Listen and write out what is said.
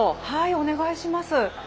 はいお願いします。